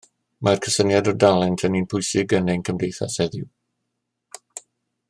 Mae'r cysyniad o dalent yn un pwysig yn ein cymdeithas heddiw.